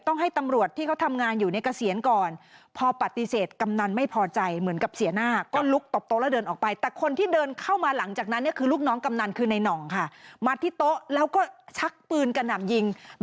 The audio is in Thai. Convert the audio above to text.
ต้องให้ตำรวจที่เขาทำงานอยู่ในเกษียณก่อนพอปฏิเสธกำนันไม่พอใจ